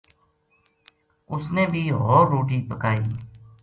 اس نے بھی ہو ر روٹی پکائی